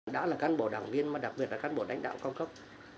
đã là cán bộ đảng viên mà đặc biệt là cán bộ đánh đạo cao cấp